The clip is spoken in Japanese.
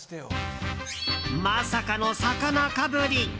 まさかの魚かぶり！